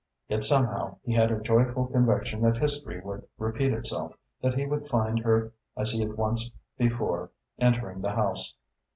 Yet somehow he had a joyful conviction that history would repeat itself, that he would find her, as he had once before, entering the house.